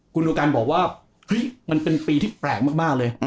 คุณดูกันบอกว่าเฮ้ยมันเป็นปีที่แปลกมากเลย